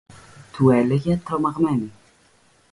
του έλεγε τρομαγμένη.